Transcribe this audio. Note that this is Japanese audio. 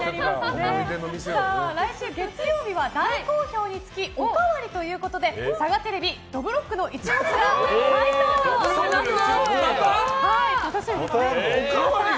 来週月曜日は大好評につきおかわりということでサガテレビ「どぶろっくの一物」が再登場します。